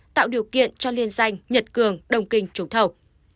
tạo điều kiện cho liên danh nhật cường đồng kinh trúng thầu